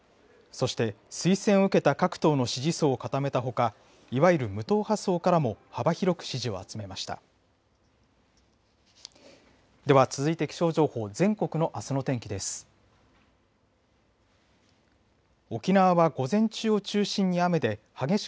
そして、推薦を受けた各党の支持層を固めたほかいわゆる無党派層からも幅広く支持を集めました。